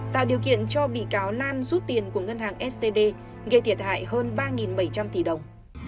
tạo điều kiện cho bị cáo lan rút tiền của ngân hàng scb gây thiệt hại hơn ba bảy trăm linh tỷ đồng